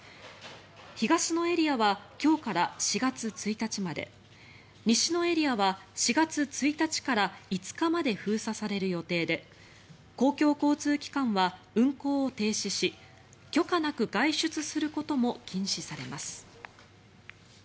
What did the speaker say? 東のエリアは今日から４月１日まで西のエリアは４月１日から５日まで封鎖される予定で公共交通機関は運行を停止し許可なく外出することも禁止されます。